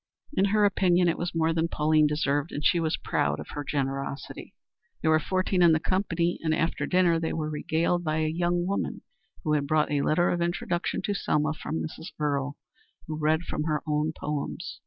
In her opinion it was more than Pauline deserved, and she was proud of her generosity. There were fourteen in the company, and after dinner they were regaled by a young woman who had brought a letter of introduction to Selma from Mrs. Earle, who read from her own poems.